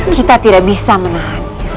kita tidak bisa menahan